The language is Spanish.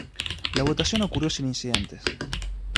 La votación ocurrió sin incidentes.